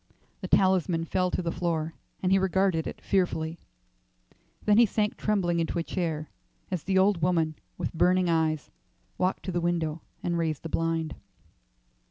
The talisman fell to the floor, and he regarded it fearfully. Then he sank trembling into a chair as the old woman, with burning eyes, walked to the window and raised the blind.